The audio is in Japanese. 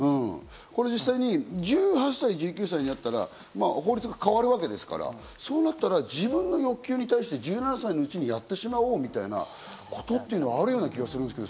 実際に１８歳、１９歳になったら法律が変わるわけですから、そうなったら自分の欲求に対して、１７歳のうちにやってしまおうみたいなことっていうのがあるような気がするんですけど。